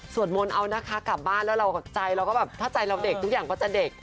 มนต์เอานะคะกลับบ้านแล้วเราใจเราก็แบบถ้าใจเราเด็กทุกอย่างก็จะเด็ก